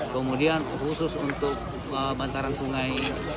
kemudian khusus untuk bantaran sungai